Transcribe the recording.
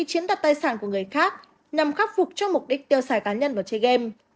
chiến đoạt tài sản của người khác nhằm khắc phục cho mục đích tiêu sải cá nhân và chơi game